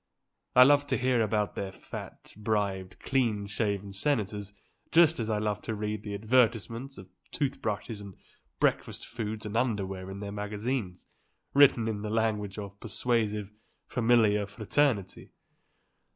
I love to hear about their fat, bribed, clean shaven senators; just as I love to read the advertisements of tooth brushes and breakfast foods and underwear in their magazines, written in the language of persuasive, familiar fraternity.